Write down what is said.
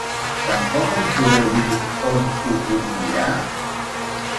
Tampoc em podeu dir on ho puc mirar?